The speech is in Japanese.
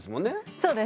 そうです。